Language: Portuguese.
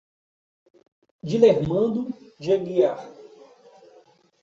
Dilermando de Aguiar